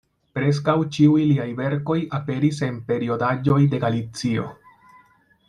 Preskaŭ ĉiuj liaj verkoj aperis en periodaĵoj de Galicio.